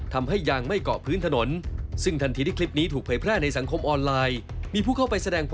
ทำให้ยางไม่เกาะพื้นถนนซึ่งทันทีที่คลิปนี้ถูกเผยแพร่ในสังคมออนไลน์